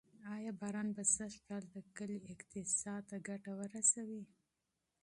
آیا باران به سږکال د کلي اقتصاد ته ګټه ورسوي؟